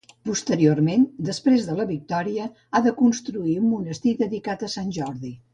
Posteriorment, després de la victòria, ha de construir un monestir dedicat a Sant Jordi.